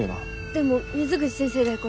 でも水口先生だよこれ。